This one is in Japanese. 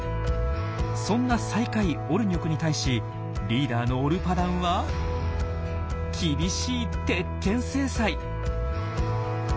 そんな最下位オルニョクに対しリーダーのオルパダンは厳しい鉄拳制裁！